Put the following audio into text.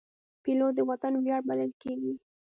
پیلوټ د وطن ویاړ بلل کېږي.